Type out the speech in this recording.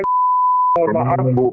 terima kasih bu